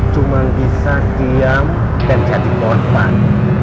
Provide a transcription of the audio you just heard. cuma bisa diam dan jadi korban